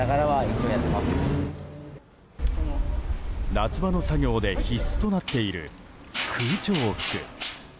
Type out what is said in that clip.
夏場の作業で必須となっている空調服。